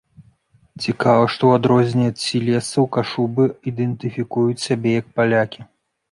Цікава, што ў адрозненні ад сілезцаў, кашубы ідэнтыфікуюць сябе як палякі.